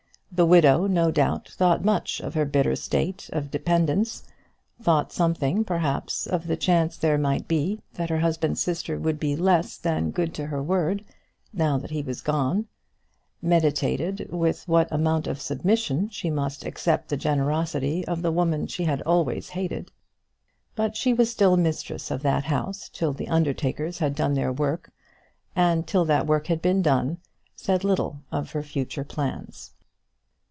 The widow, no doubt, thought much of her bitter state of dependence, thought something, perhaps, of the chance there might be that her husband's sister would be less good than her word, now that he was gone meditated with what amount of submission she must accept the generosity of the woman she had always hated; but she was still mistress of that house till the undertakers had done their work; and till that work had been done, she said little of her future plans.